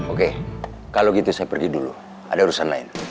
oke kalau gitu saya pergi dulu ada urusan lain